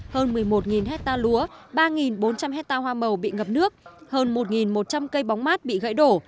hơn một mươi một hectare lúa ba bốn trăm linh hectare hoa màu bị ngập nước hơn một một trăm linh cây bóng mát bị gãy đổ